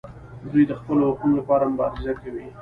دوی د خپلو حقونو لپاره مبارزه کوي.